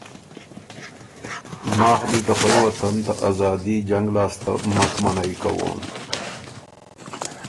ماخ دی ته خوئ وطن ته آزادي جنګ لاسته مک منعئ کوون